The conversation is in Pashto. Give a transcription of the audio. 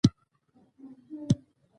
نظم په لغت کي د ملغرو پېيلو ته وايي.